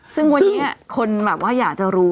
ซึ่งวันนี้คนแบบว่าอยากจะรู้